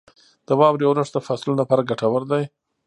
• د واورې اورښت د فصلونو لپاره ګټور دی.